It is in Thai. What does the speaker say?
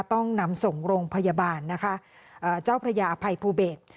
ต้องนำส่งโรงพยาบาลนะคะเจ้าพระยาภัยภูเบศ